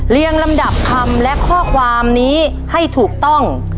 ลำดับคำและข้อความนี้ให้ถูกต้อง